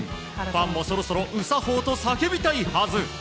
ファンもそろそろうさほーと叫びたいはず。